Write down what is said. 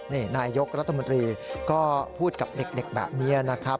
นี่นายยกรัฐมนตรีก็พูดกับเด็กแบบนี้นะครับ